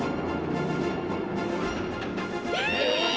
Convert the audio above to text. え！？